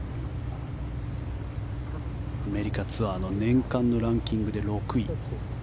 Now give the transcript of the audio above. アメリカツアーの年間のランキングで６位。